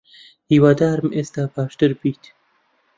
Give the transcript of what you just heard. هیوادارم ئێستا باشتر بیت.